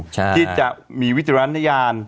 ที่จะมีวิจารณญาณ